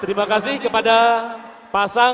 terima kasih kepada pasangan calon